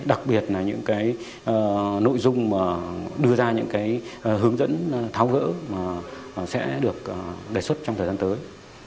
đặc biệt là những cái nội dung mà đưa ra những cái hướng dẫn tháo gỡ sẽ được đề xuất trong thời gian tới